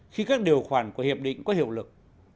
khi các điều khoản của hiệp định có hiệu lực